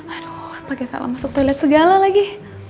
aduh pakai salam masuk toilet segala lagi